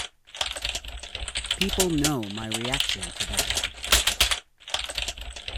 People know my reaction to that.